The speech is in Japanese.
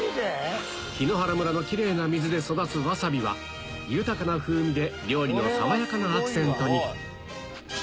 檜原村のキレイな水で育つわさびは豊かな風味で料理の爽やかなアクセントに。